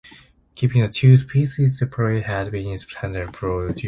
Keeping the two species separate has been standard procedure.